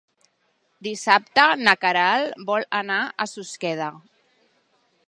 Dissabte na Queralt vol anar a Susqueda.